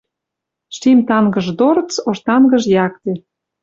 Шим тангыж дорц ош тангыж якте